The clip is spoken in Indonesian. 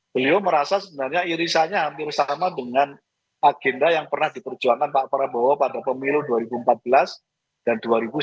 beliau merasa sebenarnya irisannya hampir sama dengan agenda yang pernah diperjuangkan pak prabowo pada pemilu dua ribu empat belas dan dua ribu sembilan belas